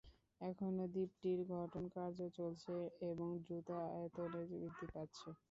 এখনও দ্বীপটির গঠন কার্য চলছে এবং দ্রুত আয়তনে বৃদ্ধি পাচ্ছে।